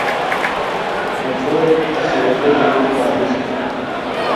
مڇھوک اڅھریتہ جُھلی قابض بِھلوۡ